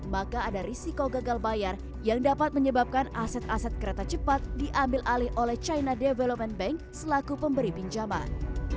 maka ada risiko gagal bayar yang dapat menyebabkan aset aset kereta cepat diambil alih oleh china development bank selaku pemberi pinjaman